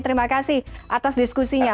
terima kasih atas diskusinya